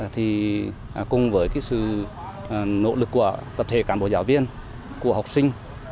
thì cùng với sự nỗ lực của tập thể cán bộ giáo viên của học sinh